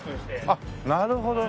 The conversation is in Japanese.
あっなるほど。